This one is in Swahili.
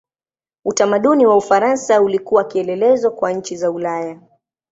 Utamaduni wa Ufaransa ulikuwa kielelezo kwa nchi za Ulaya.